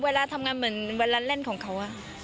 เวลาทำงานเหมือนเวลาเล่นของเขา